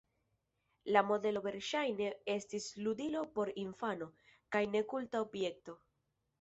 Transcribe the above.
La modelo verŝajne estis ludilo por infano, kaj ne kulta objekto.